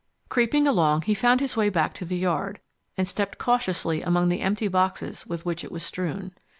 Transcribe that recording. Creeping along he found his way back to the yard, and stepped cautiously among the empty boxes with which it was strewn.